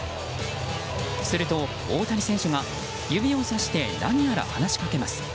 すると、大谷選手が指をさして何やら話しかけます。